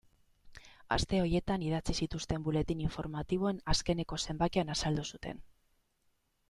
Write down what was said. Aste horietan idatzi zituzten buletin informatiboen azkeneko zenbakian azaldu zuten.